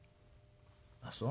「あっそう。